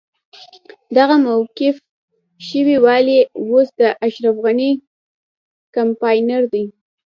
دغه موقوف شوی والي اوس د اشرف غني کمپاينر دی.